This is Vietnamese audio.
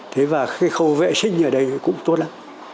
thế và cái khâu vệ sinh ở đây cũng tốt lắm